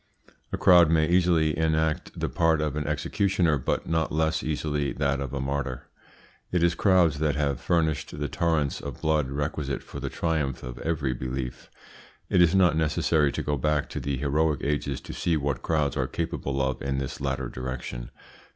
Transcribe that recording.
A crowd may easily enact the part of an executioner, but not less easily that of a martyr. It is crowds that have furnished the torrents of blood requisite for the triumph of every belief. It is not necessary to go back to the heroic ages to see what crowds are capable of in this latter direction.